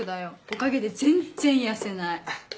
おかげで全然痩せない。